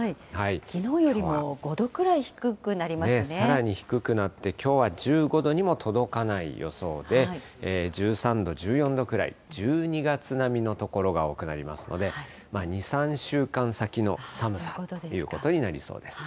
きのうよりも５度くらい低くさらに低くなって、きょうは１５度にも届かない予想で、１３度、１４度ぐらい、１２月並みの所が多くなりますので、２、３週間先の寒さということになりそうです。